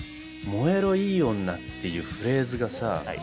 「燃えろいい女」っていうフレーズがさ。